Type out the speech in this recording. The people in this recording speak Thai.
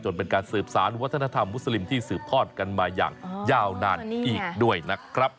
เป็นการสืบสารวัฒนธรรมมุสลิมที่สืบทอดกันมาอย่างยาวนานอีกด้วยนะครับ